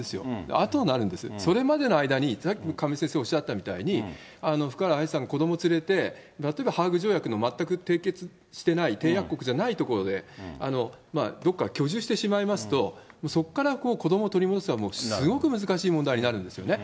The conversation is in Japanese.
あとになるんですよ、それまでの間に、さっきも亀井先生おっしゃったみたいに、福原愛さん、子どもを連れて、例えば、ハーグ条約の全く締結してない締約国じゃない所で、どこか居住してしまいますと、そこから子どもを取り戻すのはすごく難しい問題になるんですよね。